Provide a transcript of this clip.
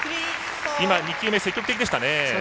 今、２球目積極的でしたね。